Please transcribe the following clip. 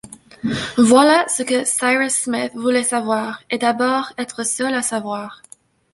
Voilà ce que Cyrus Smith voulait savoir, et, d’abord, être seul à savoir.